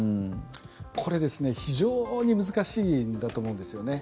これ非常に難しいんだと思うんですよね。